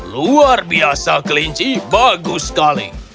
luar biasa kelinci bagus sekali